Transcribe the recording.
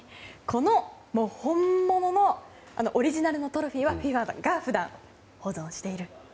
この本物のオリジナルのトロフィーはＦＩＦＡが普段、保存していると。